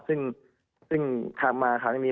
ซึ่งกลับมาครั้งนี้